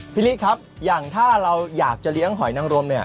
ฤทธิ์ครับอย่างถ้าเราอยากจะเลี้ยงหอยนังรมเนี่ย